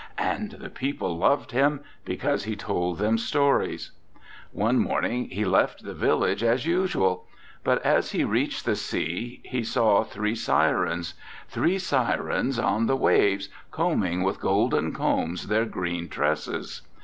And the people loved him because he told them stories. "One morning he left the village as usual but as he reached the sea he saw three sirens, three sirens on the 33 RECOLLECTIONS OF OSCAR WILDE waves, combing with golden combs their green tresses.